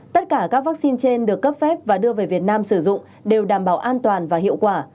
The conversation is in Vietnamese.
tất cả các vaccine trên được cấp phép và đưa về việt nam sử dụng đều đảm bảo an toàn và hiệu quả